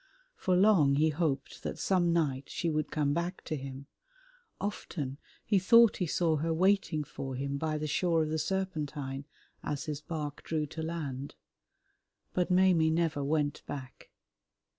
For long he hoped that some night she would come back to him; often he thought he saw her waiting for him by the shore of the Serpentine as his bark drew to land, but Maimie never went back.